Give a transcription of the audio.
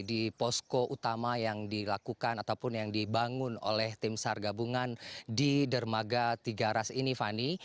di posko utama yang dilakukan ataupun yang dibangun oleh tim sar gabungan di dermaga tiga ras ini fani